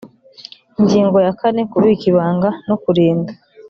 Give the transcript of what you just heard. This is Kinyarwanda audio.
ingingo ya kane kubika ibanga no kurinda